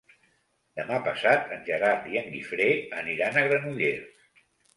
Demà passat en Gerard i en Guifré aniran a Granollers.